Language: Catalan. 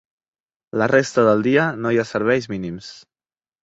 La resta del dia no hi ha serveis mínims.